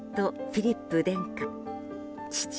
フィリップ殿下父